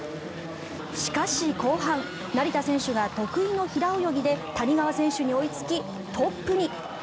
しかし、後半成田選手が得意の平泳ぎで谷川選手に追いつきトップに。